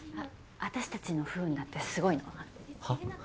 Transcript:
私たちの不運だってすごいの。は？